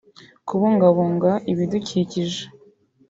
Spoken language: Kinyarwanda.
kubungabunga ibidukikije